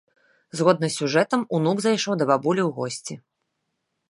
Згодна з сюжэтам, унук зайшоў да бабулі ў госці.